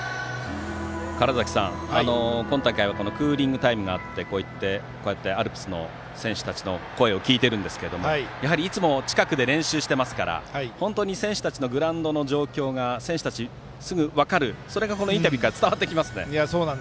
川原崎さん、今大会はこのクーリングタイムがあってアルプスの選手たちの声を聞いていますがやはり、いつも近くで練習していますから本当に選手たちのグラウンドの状況が選手たちがすぐ分かるそれがこのインタビューから伝わってきますよね。